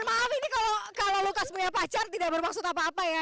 maaf ini kalau lukas punya pacar tidak bermaksud apa apa ya